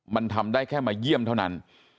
มันทำได้แค่มาเยี่ยมเท่านั้น